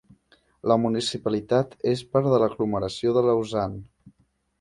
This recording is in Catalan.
La municipalitat és part de l'aglomeració de Lausanne.